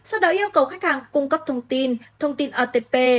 sau đó yêu cầu khách hàng cung cấp thông tin thông tin otp